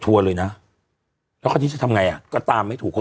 ทัวร์เลยน่ะแล้วพอที่จะทำไงอ่ะก็ตามไม่ถูกเขา